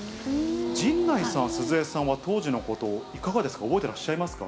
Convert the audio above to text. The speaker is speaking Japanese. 陣内さん、鈴江さんは、当時のこと、いかがですか、覚えてらっしゃいますか。